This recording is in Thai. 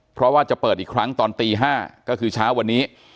เพราะว่าจะเปิดอีกครั้งตอนตี๕ก็คือเช้าวันนี้